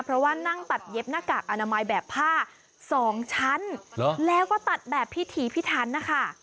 เพราะว่านั่งตัดเย็บหน้ากากอนามัยแบบผ้าสองชั้นแล้วก็ตัดแบบพิถีพิทันนะคะ